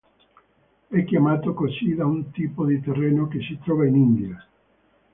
È chiamato così da un tipo di terreno che si trova in India.